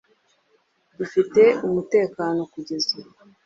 Dufite umutekano kugeza ubu